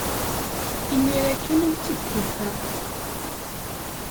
Imir-a kan ay tt-id-tufa.